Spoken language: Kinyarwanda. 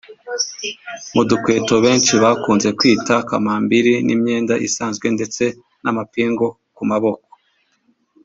Mu dukweto benshi bakunze kwita kambambili n’imyenda isanzwe ndetse n’amapingu ku maboko